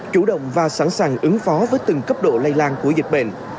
chủ động và sẵn sàng ứng phó với từng cấp độ lây lan của dịch bệnh